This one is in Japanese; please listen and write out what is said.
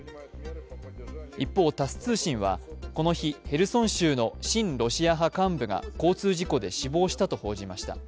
一方、タス通信はこの日、ヘルソン州の親ロシア派幹部が交通事故で死亡したと報じました。